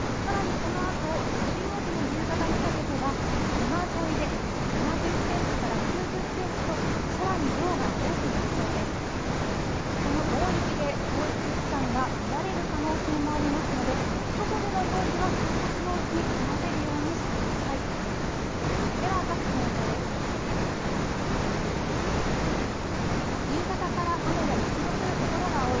この大雪で交通機関が乱れる可能性もありますので、外での用事はあすのうちに済ませるようにしてください。